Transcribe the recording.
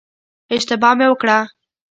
اشتباه مې وکړه.